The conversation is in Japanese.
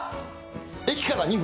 駅から２分。